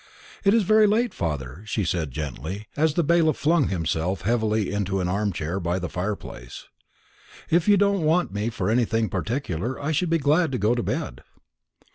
"It's very late, father," she said gently, as the bailiff flung himself heavily into an arm chair by the fire place. "If you don't want me for anything particular, I should be glad to go to bed."